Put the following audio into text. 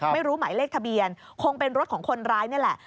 ไม่รู้หมายเลขทะเบียนคงเป็นรถของคนร้ายนี่แหละ